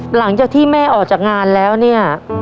หลังจากที่แม่ออกจากงานแล้วเนี่ย